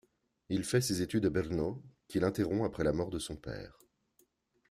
Il fait ses études à Brno, qu’il interrompt après la mort de son père.